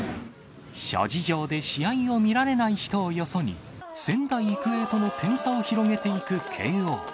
諸事情で試合を見られない人をよそに、仙台育英との点差を広げていく慶応。